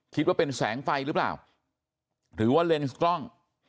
คิดว่าเป็นแสงไฟหรือเปล่าหรือว่าเลนส์กล้อง